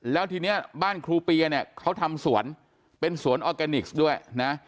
แล้วทีนี้บ้านครูเปียเนี่ยเขาทำสวนเป็นสวนออร์แกนิคด้วยนะ